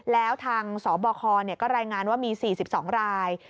แล้วทางสบคก็รายงานว่ามี๔๒ราย